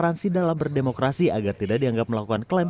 transparansi dalam berdemokrasi agar tidak dianggap melakukan klaim